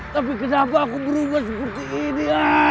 tapi kenapa aku berubah seperti ini